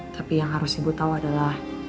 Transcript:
tapi yang harus ibu tahu adalah